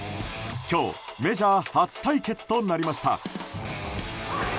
今日メジャー初対決となりました。